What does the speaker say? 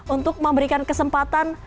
untuk memberikan kesempatan